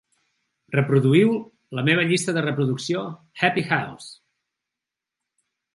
Reproduïu la meva llista de reproducció "Happy House".